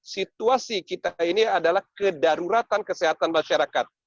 situasi kita ini adalah kedaruratan kesehatan masyarakat